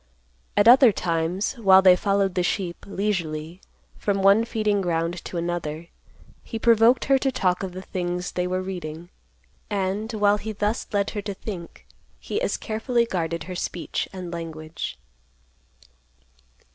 At other times, while they followed the sheep, leisurely, from one feeding ground to another, he provoked her to talk of the things they were reading, and, while he thus led her to think, he as carefully guarded her speech and language.